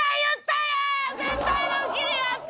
絶対ドッキリやって！